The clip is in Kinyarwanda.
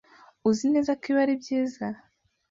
Uzi neza ko ibi ari byiza?